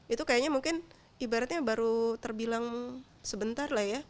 itu kayaknya mungkin ibaratnya baru terbilang sebentar lah ya